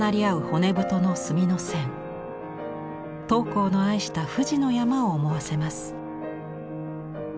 桃紅の愛した富士の山を思わせます。